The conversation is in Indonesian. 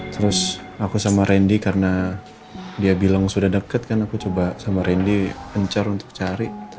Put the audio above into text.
terus aku sama randy karena dia bilang sudah deket kan aku coba sama randy encar untuk cari